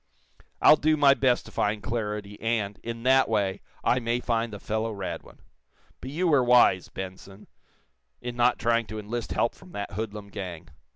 I'll do my best to find Claridy, and, in that way, I may find the fellow, Radwin. But you were wise, Benson, in not trying to enlist help from that hoodlum gang.